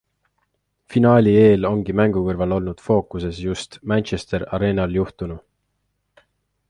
Finaali eel ongi mängu kõrval olnud fookuses just Manchester Arenal juhtunu.